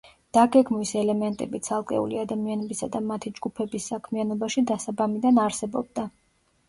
დაგეგმვის ელემენტები ცალკეული ადამიანებისა და მათი ჯგუფების საქმიანობაში დასაბამიდან არსებობდა.